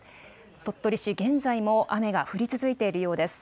鳥取市、現在も雨が降り続いているようです。